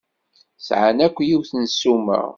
Sɛan akk yiwet n ssuma?